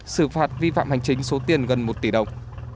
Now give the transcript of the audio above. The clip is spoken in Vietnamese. xử phạt vi phạm hành chính số tiền gần một tỷ đồng